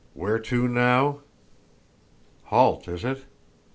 Where to, now? Halt, is it?